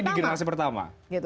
masih di generasi pertama